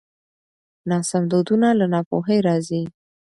ناسم دودونه له ناپوهۍ راځي.